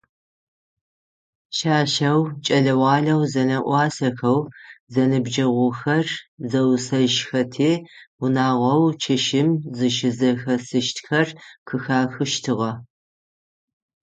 Пшъашъэу, кӏэлэ-гъуалэу зэнэӏуасэхэу зэныбджэгъухэр зэусэжьхэти, унагъоу чэщым зыщызэхэсыщтхэр къыхахыщтыгъэ.